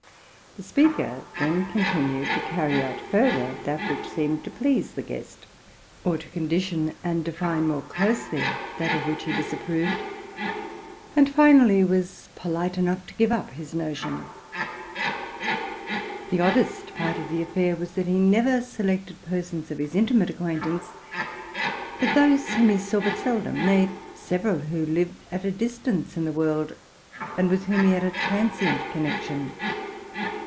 The speaker then continued to carry out further that which seemed to please the guest, or to qualify and define more nearly that of which he disapproved, and, finally, was polite enough to give up his notion. The oddest part of the affair was, that he never selected persons of his intimate acquaintance, but those whom he saw but seldom, nay, several who lived at a distance in the world, and with whom he had had a transient connection.